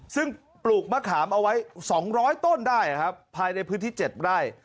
ซึ่งปลูกมะขามเอาไว้๒๐๐ต้นได้ภายในพื้นที่๗ไร่